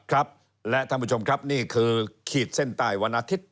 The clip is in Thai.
ครับและท่านผู้ชมครับนี่คือขีดเส้นใต้วันอาทิตย